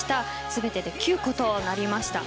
全てで９個となりました。